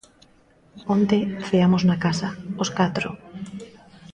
_Onte ceamos na casa, os catro.